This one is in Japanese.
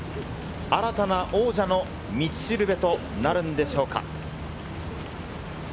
新たな王者の道しるべとなるんでしょうか。